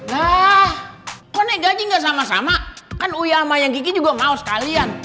hah kok naik gaji gak sama sama kan uya sama yang kiki juga mau sekalian